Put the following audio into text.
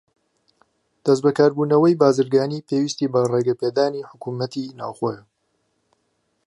دەستبەکاربوونەوەی بازرگانی پێویستی بە ڕێگەپێدانی حکومەتی ناخۆییە.